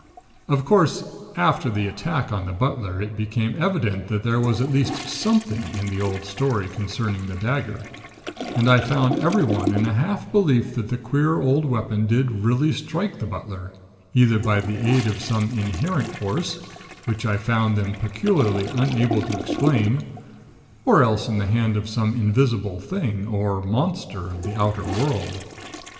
"Of course, after the attack on the butler, it became evident that there was at least 'something' in the old story concerning the dagger, and I found everyone in a half belief that the queer old weapon did really strike the butler, either by the aid of some inherent force, which I found them peculiarly unable to explain, or else in the hand of some invisible thing or monster of the Outer World!